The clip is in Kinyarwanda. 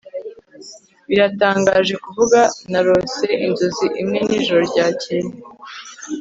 biratangaje kuvuga, narose inzozi imwe nijoro ryakeye